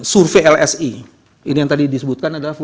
survei lsi ini yang tadi disebutkan adalah